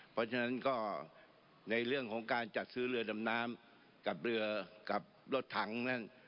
เพราะฉะนั้นก็ในเรื่องของการจัดซื้อเรือดำน้ำกับเรือกับรถถังนั่น